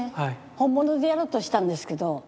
本物でやろうとしたんですけど。